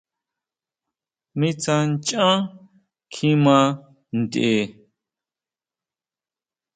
Mi tsá ʼnchan kjima ntʼe.